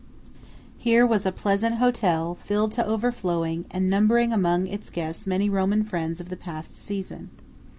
Here was a pleasant hotel, filled to overflowing, and numbering among its guests many Roman friends of the past season.